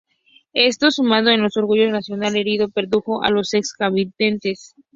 Esto, sumado al orgullo nacional herido, perjudicó a los ex combatientes.